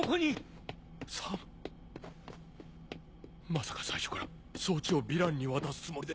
まさか最初から装置をヴィランに渡すつもりで。